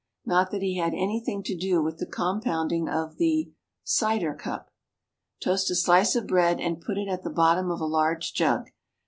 Not that he had anything to do with the compounding of the Cider Cup. Toast a slice of bread and put it at the bottom of a large jug.